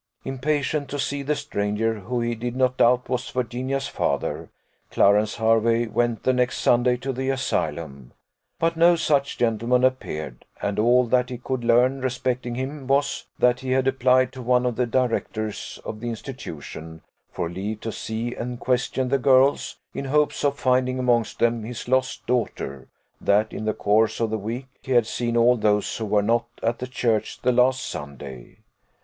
Impatient to see the stranger, who, he did not doubt, was Virginia's father, Clarence Hervey went the next Sunday to the Asylum; but no such gentleman appeared, and all that he could learn respecting him was, that he had applied to one of the directors of the institution for leave to see and question the girls, in hopes of finding amongst them his lost daughter; that in the course of the week, he had seen all those who were not at the church the last Sunday.